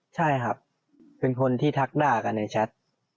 ใช่ครับเป็นคนที่ทักด่ากันในแชท